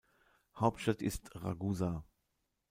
Hauptstadt ist Ragusa.